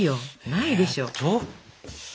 ないでしょ。